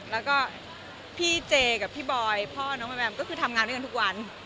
แล้วก็พี่เจกับพี่บอยพ่อน้องแมมก็คือทำงานด้วยกันทุกวัน